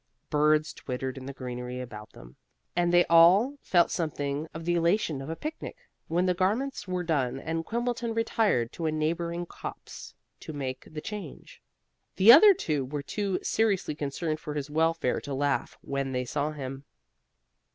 Birds twittered in the greenery about them, and they all felt something of the elation of a picnic when the garments were done and Quimbleton retired to a neighboring copse to make the change. The other two were too seriously concerned for his welfare to laugh when they saw him.